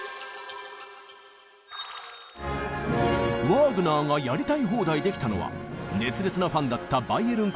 ワーグナーがやりたい放題できたのは熱烈なファンだったバイエルン